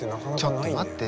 ちょっと待って。